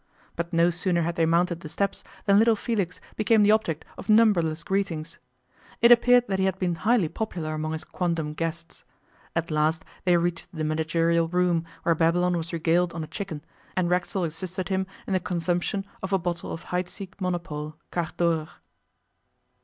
But no sooner had they mounted the steps than little Felix became the object of numberless greetings. It appeared that he had been highly popular among his quondam guests. At last they reached the managerial room, where Babylon was regaled on a chicken, and Racksole assisted him in the consumption of a bottle of Heidsieck Monopole, Carte d'Or.